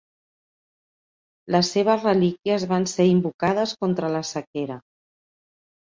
Les seves relíquies van ser invocades contra la sequera.